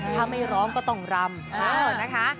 ถ้าไม่ร้องก็ต้องรำนะคะ